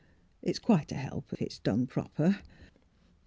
It's quite a help, if it's done proper."